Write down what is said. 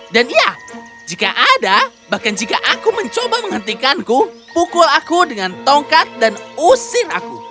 dan iya jika ada bahkan jika aku mencoba menghentikanku pukul aku dengan tongkat dan usir aku